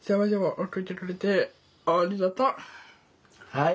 はい。